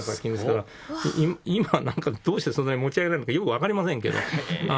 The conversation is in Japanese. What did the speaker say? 今どうしてそんなに持ち上げられるのかよくわかりませんけど。